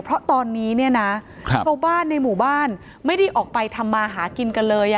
เพราะตอนนี้เนี่ยนะชาวบ้านในหมู่บ้านไม่ได้ออกไปทำมาหากินกันเลย